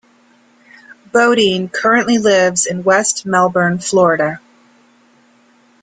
Bodine currently lives in West Melbourne, Florida.